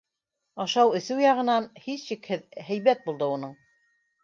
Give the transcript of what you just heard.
Ашау-эсеү яғынан, һис шикһеҙ, һәйбәт булды уның.